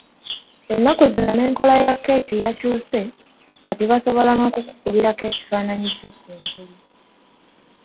Ennaku zino n'enkola ya keeki yakyuse kati basobola n'okukukubirako ekifaananyi kyo ku ngulu.